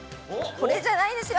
これじゃないですよ。